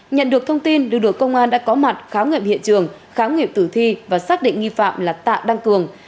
nhận được thông tin lực lượng công an đã có mặt khám nghiệm hiện trường khám nghiệm tử thi và xác định nghi phạm là tạ đăng cường